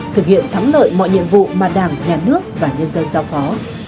thực hiện thắng lợi mọi nhiệm vụ mà đảng nhà nước và nhân dân giao phó